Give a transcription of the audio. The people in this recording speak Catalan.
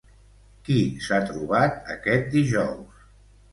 Qui s'ha trobat aquest dijous?